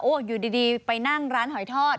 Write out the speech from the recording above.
อยู่ดีไปนั่งร้านหอยทอด